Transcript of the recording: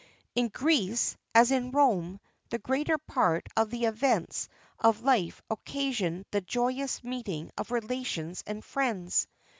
[XXX 37] In Greece, as in Rome, the greater part of the events of life occasioned the joyous meeting of relations and friends.